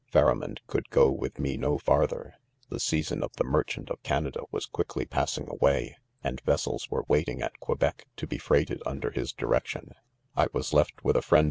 — Pharamond couM go with me ho farther 5 the season, for the ^;^er^atit of Canada was quiet ly pasBing:away^ani; ; yessels were waiting at Quebec to be freighted 'under his direction* c l was left with a friend